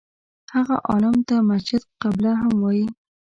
هغه عالم ته مسجد قبله هم وایي.